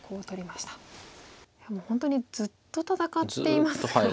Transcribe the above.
でも本当にずっと戦っていますね。